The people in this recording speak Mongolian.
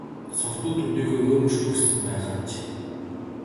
Согтуу төдийгүй уймарч түгшсэн байх аж.